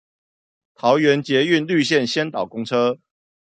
桃園捷運綠線先導公車